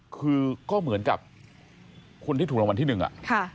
คือก็เหมือนกับคนที่ถูกรางวัลที่หนึ่งอ่ะค่ะ